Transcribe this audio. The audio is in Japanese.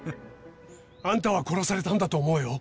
あんたは殺されたんだと思うよ。